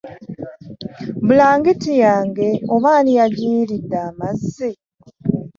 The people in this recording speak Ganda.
Bulangiti yange oba ani yagiyiiridde amazzi!